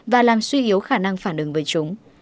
và làm suy yếu khả năng phản ứng với chúng